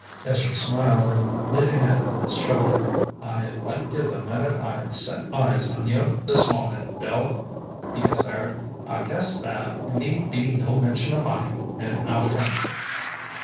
Ezra smiled and laid a hand on his shoulder. "I liked you the minute I set eyes on you this morning, Bill," he declared. "I guess there need be no mention of money in our friendship."